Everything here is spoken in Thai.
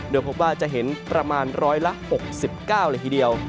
เดี๋ยวพบว่าจะเห็นประมาณ๑๖๙นาทีเดียว